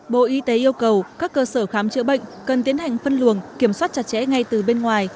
bộ y tế yêu cầu các cơ sở khám chữa bệnh cần tiến hành phân luồng kiểm soát chặt chẽ ngay từ bên ngoài